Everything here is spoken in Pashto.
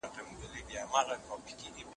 ما دا اپلیکیشن ستاسو لپاره جوړ کړی.